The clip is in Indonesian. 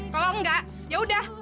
kalau enggak yaudah